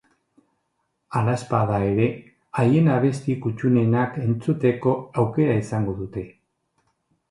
Hala ez bada ere, haien abesti kuttunenak entzuteko aukera izango dute.